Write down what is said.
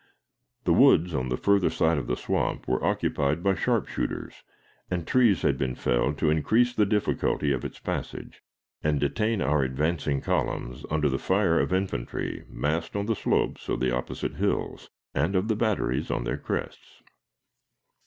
The woods on the further side of the swamp were occupied by sharpshooters, and trees had been felled to increase the difficulty of its passage, and detain our advancing columns under the fire of infantry massed on the slopes of the opposite hills, and of the batteries on their crests.